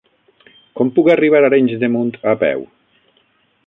Com puc arribar a Arenys de Munt a peu?